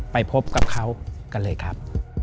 ไปพบกับเขากันเลยครับ